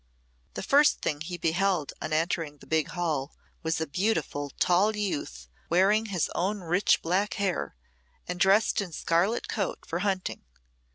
The first thing he beheld on entering the big hall was a beautiful tall youth wearing his own rich black hair, and dressed in scarlet coat for hunting.